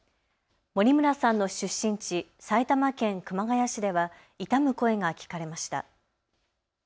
森村さんの出身地、埼玉県熊谷市では悼む声が聞かれました。